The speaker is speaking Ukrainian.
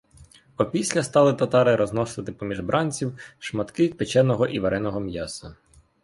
Опісля стали татари розносити поміж бранців шматки печеного і вареного м'яса.